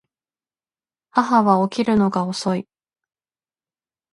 母は起きるのが遅い